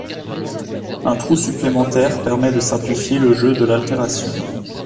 Un trou supplémentaire permet de simplifier le jeu de l'altération.